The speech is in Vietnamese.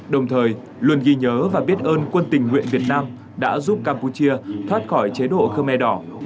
đồng thời luôn ghi nhớ và biết ơn quân tình nguyện việt nam đã giúp campuchia thoát khỏi chế độ khơ me đỏ